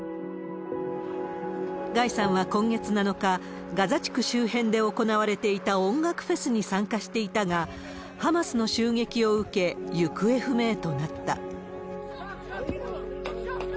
ガイさんは今月７日、ガザ地区周辺で行われていた音楽フェスに参加していたが、ハマスの襲撃を受け、行方不明となった。